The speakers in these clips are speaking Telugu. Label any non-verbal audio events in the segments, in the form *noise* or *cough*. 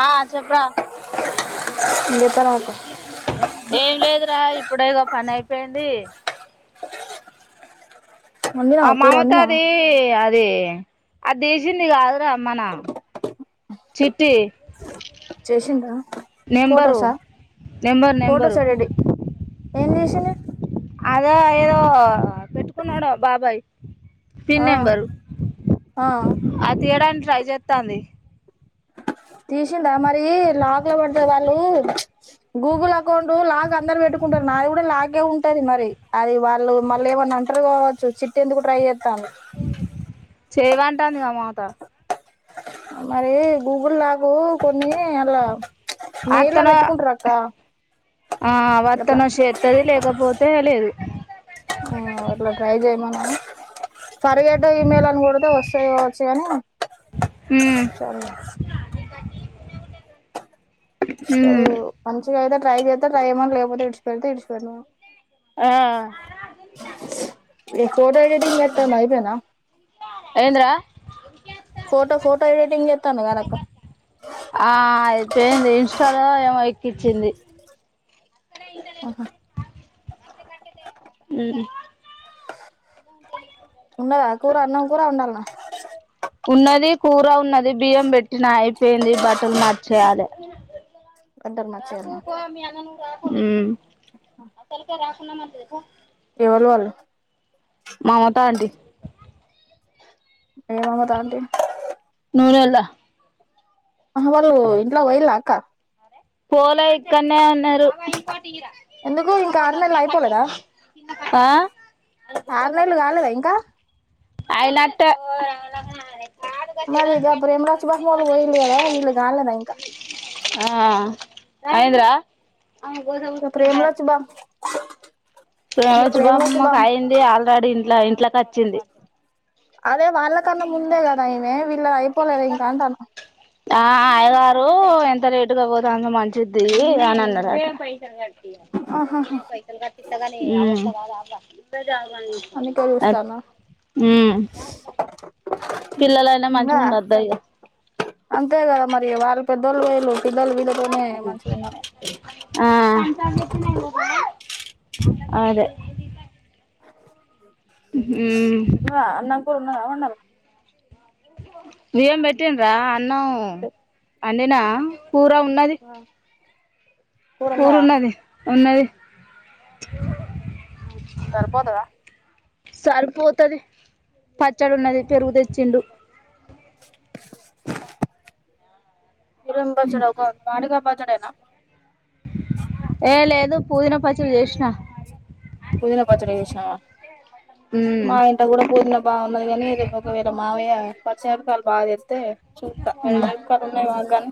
ఆ చెప్పరా నేను చెప్పాను అక్క ఏం లేదు ఇగ ఇప్పుడ ఇగో పని అయిపోయింది ఆ వండినావా కూర వండినావా మమతది అద్ అది అదిసింది కాదురా మన చిట్టి చేసిందా నెంబరు ఫొటోసా నెంబరు నెంబరు ఫొటోస్ ఎడిటింగ్ ఏంచేసింది అదో ఏదో పెట్టుకున్నాడో బాబాయ్ ఆ, పిన్నేంబరు ఆ. అది తియ్యడానికి ట్రై చేతాంది తీసిందా మరి లాక్ లో పడ్డ వాళ్ళు గూగుల్ అకౌంట్ లాక్ అందరు పెట్టుకుంటారు నాది కూడా లాకే ఉంటది మరి అది వాళ్ళు మళ్ళీ ఏమన్నా అంటారు కావచ్చు చిట్టి ఎందుకు ట్రై చే కాను చేయవంటాందగా మమత మరీ గూగుల్ లాకు కొన్ని హలా మెల్లా అత్తనో పెట్టుకుంట్రాక్క ఆ వత్తనో చేత్తది లేకపోతే లేదు ఫరిగెట్ ఈమెయిల్ అని కొడితే వస్తాయి కావచ్చు కాని ఉమ్ సరే ఉమ్ ఎవు మంచు ఇదైతే ట్రై చేస్తే ట్రై చేయమను లేకపోతే ఇడిచిపెడ్తే ఇడ్చిపెట్టమను ఆ ఈ ఫోటో ఎడిటింగ్ చేత్తంది అయిపాయినా ఏందిరా ఫోటో ఫోటో ఎడిటింగ్ చేత్తాంది కదా అక్క ఆ పెయింది ఇన్స్టా ఏమో ఎక్కిచ్చింది ఓహా హ్మ్ ఉండదా కూర అన్నం కూర వోండాల్న ఉన్నది కూర ఉన్నది బియ్యం పెట్టిన అయిపోయింది బట్టలు మాడ్చేయాలి ఇద్దరు మంచిగానే హ్మ్ కొన్న మ ఎవళు వాలు మమత ఆంటీ ఏ మమతా ఆంటీ నూనేల్ల అ వాలు ఇంట్లో పోయిల్ల అక్క పోలే ఇక్కనే ఉన్నారు ఎందుకు ఇంకా ఆరు నెలలు అయిపోలేదా ఆ ఆరు నెలలు కాలేదా ఇంకా అయినట్టే మరి ఇక ప్రీమరాజ్ బహ వాళ్ళు పోయిల్లు కదా వీళ్ళు కాలేదా ఇంకా ఆ అయింద్ర ప్రేమలాచ బా ప్రేమలాచ్చు బాపమ్మ అయింది ఆల్రెడీ ఇలా ఇంట్లోకి వచ్చింది అదే వాళ్ళ కన్నా ముందే కదా ఆయమె వీళ్ళ అయిపోలేద ఇంకాంటాన్న ఆ ఆయగారు ఎంత లేటుగా పోతే అంత మంచిది అని అన్నారట మీ పైసలు కటి గానీ అందుకే చూస్తానా కిల్లా లాైనా మంచించ హంద ఉన్నదా ర్ధా అంతే కదా మరి వాళ్ళ పెద్దోళ్ళు వేయళు ఆ అదే ఉమ్ నా అన్న ఊరున్న మీరేం పెట్టిండ్ర నౌ అడినా పఊరా ఉన్నది కూర కూరు ఉన్నదా ఉన్నది ఉన్నది సరిపోతదా సరిగిపోతుది పచ్చడి ఉన్నది పెరుగు తెచ్చిండు ఇరుబ చడవు ఒక మాడుగాపా సరేనా ఏ లేదు పుదిన పచ్చ యష్నా పుదిన పచ్చడి చేసినా ఉమ్ మా ఇంట కూడా పుదనా బాగా ఉన్నది కానీ రేపు ఒకవేర మావయ్య చెంకాల్ బాగా ఇతే చూత ఉమ్ ఎనరుకాలు ఉన్నాయి వాగానే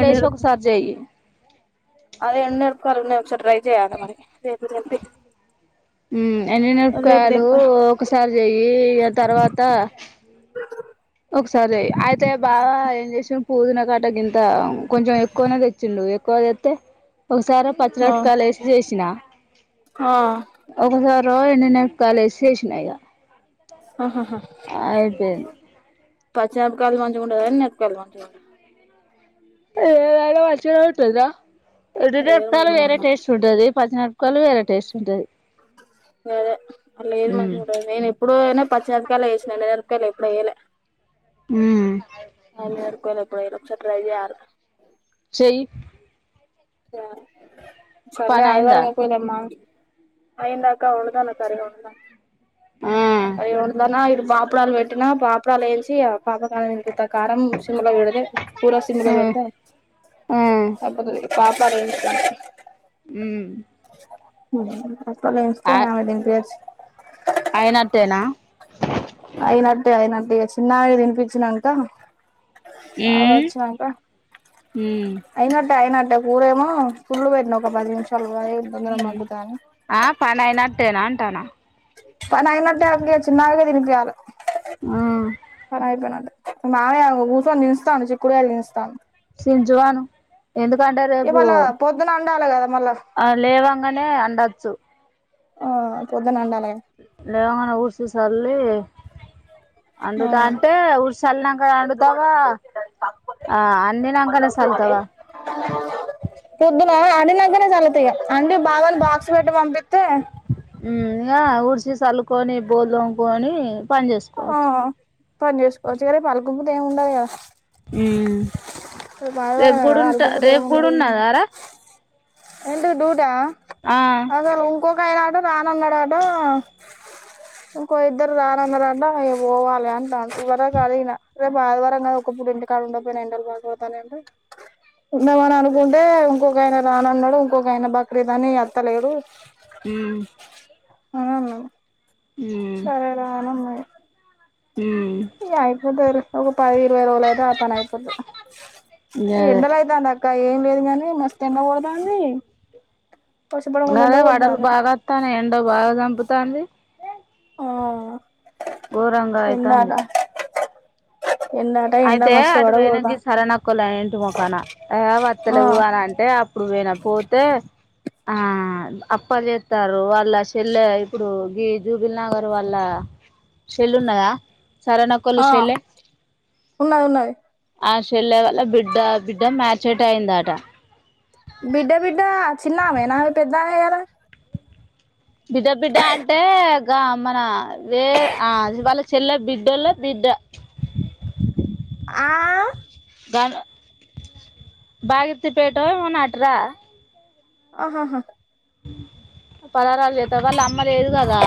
ఎ వేసి ఒకసారి చెయ్యి అది ఎన్నెడుపుకోాల ఎ నపు ట్రై చేయాలి మరి రేపు తెంపి ఎన్ని రేపు నరపయలు తెంపా ఒకసారి చెయ్యి తర్వాత ఒకసారి అయితే బాగా ఏం చేసాం పూదు నా కట్ కంది కొంచెం ఎక్కువనే తెచ్చిండు క్క ఎతే ఒకసారి పచ్చలొట్కాయలు వేసి చేసిన హా *unintelligible* కాల్ చేేషిన ఇగ అయిపో పచ్చిమెరపకాయలు మంచిగా ఉంటదా ఎనపకాయలు మంచిగా ఉంట అ రాలా వాచ్చిన ఉట్ంద వేరు ఒట్టిమేరపకాయలు మంచిగా వేరే ఉండవు టేస్ట్ ఉంటది పచ్చిమీరపకాయలు వేరే టేస్ట్ ఉంటుది లేదే అ లేదు మ ఉమ్ నేను ఎప్పుడు అయినా పచ్చిమిరపకాయలు వేసిన ఎండు మిరపకాయల్ ఎప్పుడూ వెయ్యలే ఊ *unintelligible* ఎపుడైనా *unintelligible* ట్రై చేయాలి చెయ్ రా సండే పని అయిందా ఆదివారం పొఇండ మ్మ అయ్యిందక్క వండుతానా కర్రీ వండుతానా ఆ అయి వండుతానా ఇటు బాపు అప్పడాలు పెట్టినా పాపడాలు వేయించి ఇగ ఆ పాతా కారం ఎందుకు ఎత్తావ్ కారం సిమ్ములో పెడితే కూర సిమ్ములో ఆ పెడితే ఆ అంత పాపడ్ ఎంచుతన్న మ్మ్ ఉ అత్తమ్మ వెయిస్తే ఆమెకు తినిపియ్యచ్చు అయినట్టేనా అయినట్టే అయినట్టే ఇగ చిన్నమకి తినిపించినాక అవు ఉమ్ వచ్చినంక ఉమ్ అయినట్టే అయినట్టే అంటే కురేమో ఫుల్ పెట్టిన ఒక పదినిముషాలు హ్ ఆ పనియనట్టేనా టన పని అయినట్టే అక్క చిన్నమకే తినిపియాలే ఆ పని అయిపోయిన్నట్టే మా మామయ్య కూసోని చించుతాండు చిక్కుడుగాయాలు చించుతాండూ *unintelligible* జువాన్ ఎందుకంటే రేపు ఉండాలా కదా మళ్ళా ఆ లేవంగ్గానే దచ్చు ఆ పొద్దున అండాల లేవంగానే ఊడ్చి సల్లీ ఆ అండుతాంటే ఉడ్చి చల్లీనాకే వండుతావా ఆ అండినాకనే చల్లుతావా ఆ అండినకనే చళ్లుతా అండి బావకు బాక్స్ పెట్టి పంపిత్ హ్ ఆ ఉడ్చి చళ్ళుకొని బోళ్ళు తోముకోని ఆ పని చేసుకోవచ్చురేపు అల్- గుముతే ఎమ్ ఉండదు గదా హ్మ్ రేపు ఆదివారమే కూడా కదా ఉంటా అలుకుపూత రేపు కూడా ఉన్నదారా ఎంటిది డూట ఆ అగో ఉంకో ఇంకాయనాటు రానన్నడాట ఇంకో ఇద్దరు రానన్నరాట ఇగపోవాలి అంటాండు ఇవరా దాక అలిగినా రేపు ఆదివారం కదా ఒకప్పుట ఇంటికాడ ఉండక పోయినా ఎండలు బాగ కోడతంనయింటే ఉన్దామ్ అని అనుకుంటే ఇంకొక ఆయన రానన్నాడు ఇంకోగాయన బక్రీద్ అని అత్తలేడు హ్మ్ అవును సరే రాన్ అన్నాయి ఉమ్ ఇగ అయిపోతది లే పది ఇవైరోలు అయితే అ పనయిపోతది గదే ఎండలయితంది అక్క ఏం లేదు గాని మస్త్ ఎండా కొడతాంది. వర్షపడకుండా ఎండ అదే వడలు కొడతాంది బాగా వత్తానయి ఎండ బాగా చంపుతాంది. ఆ ఘోరంగా అయితంది ఎండాట ఎండాట ఎండ అయితే మస్తు అటు వొయిన ఈ పడగొడతాంది సరవనక్కలు ఇంటి మొకాన ఏ ఆ వాత్తలేవు అని అంటే అప్పుడు పోయినా పోతే ఆ అప్పలు చెస్తారు వాళ్ళ చెెల్లె ఇప్పుడు గి జూబిల్ నగర్ వాళ్ళ షెల్లె ఉన్నదా సరనక్కొల ఆ షెల్లే ఉన్నది ఉన్నది ఆ చెల్లె వల్ల బిడ్డ బిడ్డ మ్యాచట్ డె అయింద అట బిడ్డ బిడ్డ చిన్నామేనా ఆమే పెద్దమే కదా బిడ్డ బిడ్డ అంటే గా మన వే ఆజి వాల చెల్ల బిడ్డోల బిడ్డ ఆ గ బాగితి పేటె ఏమోనో అట్రా ఆహాహా పలారు చేత్త వాళ్ళ మ్మ లేదు కాదా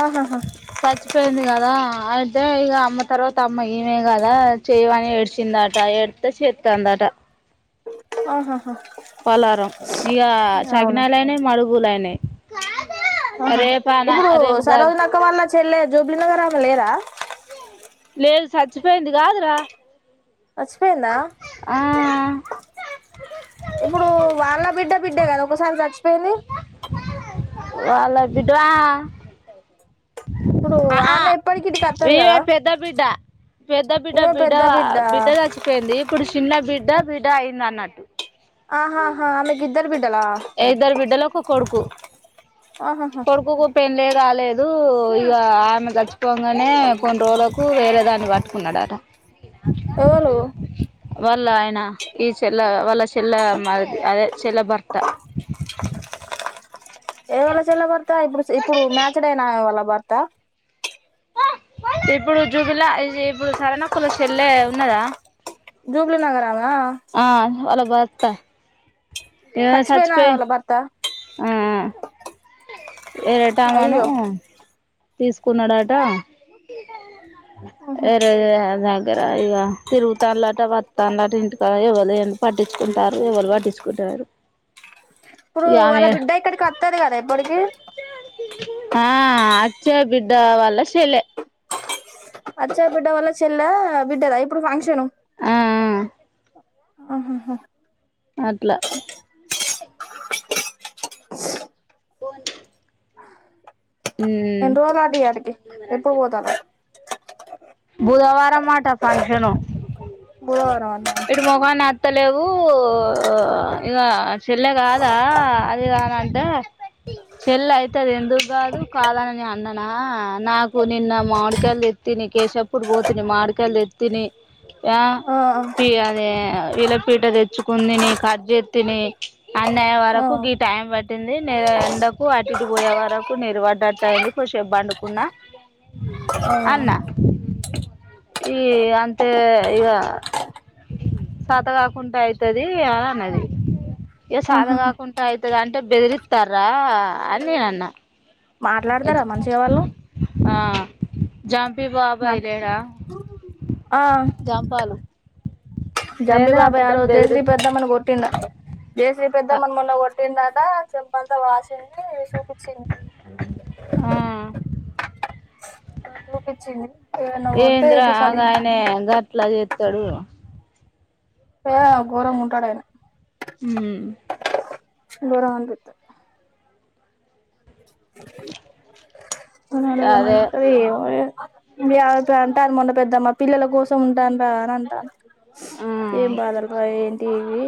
ఆహాహ చచ్చిపోయింది కదా అ అయితే ఇక అమ్మ తర్వాత అమ్మ ఈమె కదా చేయని ఏడ్చిందట ఏడితే చేస్తందట ఆహా పలారం ఇక అవునా చకినాలు అన్ని మడుగులుయినాయి ఆహా రేపాన ఇప్పుడు రేపు గజు సరోజనక్క వాళ్ళ చెల్లె జూబ్లీ నగర్ ఆమె లేరా లేదు చచ్చిపోయింది కాదురా చచ్చిపోయిందా ఆ ఇప్పుడు వాళ్ళ బిడ్డ బిడ్డే కదా ఒకసారి చచ్చు వాళ్ల బిడ్డ ఆ ఇప్పుడు ఆ ఆ ఆమె ఎప్పటికి ఇటికి వత్తది వి కదా పెద్ద బిడ్డ పెద్ద బిడ్డ ఈమె బిడ్డ పెద్ద వ బిడ్డ చచ్చిపోయింది ఇప్పుడు చిన్న బిడ్డ బిడ్డ అయింది అన్నట్ ఆహాహా ఆమెకి ఇద్దరు బిడ్ ఏద్దరు బిడ్డలో ఒక కొడుకు ఆహాహా కొడుకు కు పెండ్లి రాలేదు ఇక ఆమె గర్చిపో ఇంకనే కొన్ని రోజులకు వేర దాన్ని వాట్టుకున్నాడాటా ఆ ఎవలు వాళ్ళ ఆయన ఈ చెల వాళ్ళ చెల్ల మ అదే చెెల్ భర్త ఏవల చెల్లె భర్త ఇప్పుడు ఇప్పుడు మ్యాచ్ డే నా వళ్ళ భర్త ఇప్పుడు జూబిలా ఇప్పుడు సరన కుల చెెల్లే ఉన్నదా జుబ్లీ నగర్ ఆమె ఆ వాళ్ళ భర్త ఏ చచ్చిపోయిన ఆమె సచ్పోయి వాళ్ళ భర్త ఆ ఆ ఏరటా ఆమెను అయ్యో తీసుకున్నాడాట ఆహా రే రే అగాగు జర ఆగుర తిరుగుతానులలాట వతన్లాట ఇంటికాడా ఎవరు పట్టించుకుంటారు ఎవరు పట్టించుకుంటారు వాళ్ళ ఆమె బిడ్డ ఇక్కడికి వస్తాది కదా ఎప్పటికి ఆ చ్చ బిడ్డ వాల సెల్లే అచ్చ బిడ్డ వల్ల చెల్లె బిడ్డద ఇప్పుడు ఫంక్షన్ ఆ ఆ ఆహాహ అట్లా ఎన్ని రోజులు అట ఇయాటికి ఎప్పుడు పోతనవ్. బుధవారం అట ఫంక్షను బుధవారం అటన త్తలేవు ఇగ చెల్లె కాదా అది గాదాంటే చెల్లె అయితుది ఎందుకు కాదు కాదని నే అన్ననా నాకు నిన్న మామిడికాయలు తెత్తే నికేశబ్ అప్పుడు పోతుని మావిడికాయలు తెత్తిని ఆ పి అదే ఈలపీట తెచ్చుకుంది ని కట్ చేత్తిని అన్న అయ్యే ఆ వరకు గి టైం పట్టింది నేరన్ ఎండకు అటుటి పోయే వరకు నేరివడ్డట్ అయింది కొసబ్ పండుకున్నా ఆ అన్నా ఈ అంతే ఇగ సాతగాకుంట అయితది అని అన్నది ఇగ ఆహాహా సాతగాకుంట అయితది అంటే బెదిరిత్తన్ర అని నేను అన్నా మాట్లాడతారా మంచిగా వాళ్ళు జామ్ పి బాబాయి మాట్ లేడా జాంపాలు జంపిబాబయ్ ఆ రోజు జయశ్రీ బెదిరిత్ పెద్దమని కొట్టిండ్ జయశ్రీ ఆ పెద్దమను మెన్న కొట్టిండ ఆ చెంపంత వాసిన్ది చూపిత చ్చన్ ఆ నాకు చూపించింది ఏవన్న కొడితే ఇట్లా చలి తరువ ఏ ఘోరం ఉంటాడయన హ్మ్ గోరం అనిపితుంది కొంత మంది కొన్నది అదే ఉత్తగ పాయే ఇటే ఆగుత అంటే మొన్న పెద్దమ్మ పిల్లల కోసం ఉంటాన్న్ర అని అంటాంది. ఆ ఏం బాధలు బాయి ఏంటి ఇది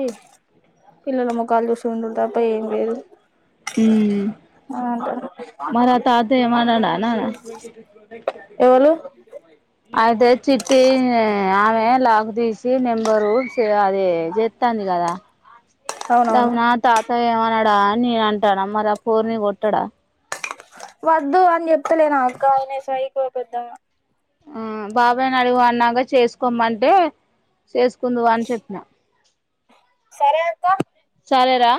పిల్లల మొకాలు చూసి ఉండుడు తప్ప ఏం లేదు హ్మ్ అని అంటాను మరా తాత ఏమ్ అనడా నానా ఎవలు అయితే చిట్టి ఆమె లాక్ తీసి నెంబరూ అదే చెత్తంది కదా అవునవును అవునా తాత ఏమనాడా అని నేన్ అంటన ఆ పోర్ని కొట్టడా వద్దు అని చెప్తలేనా అక్క ఆయన పెద్ద సైకో పెద్దా ఆ బాబాయిని అడుగు మన్నాక చేసుకోమంటే చేసుకుందువు అని చెప్పినా సరే అక్క సరేరా